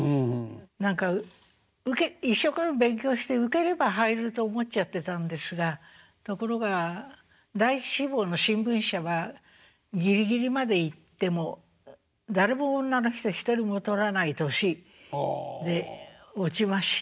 何か一生懸命勉強して受ければ入れると思っちゃってたんですがところが第１志望の新聞社はギリギリまで行っても誰も女の人一人も採らない年で落ちました。